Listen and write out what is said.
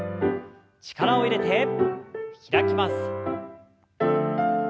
力を入れて開きます。